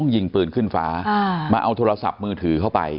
ยิงปืนขึ้นฟ้ามาเอาโทรศัพท์มือถือเข้าไป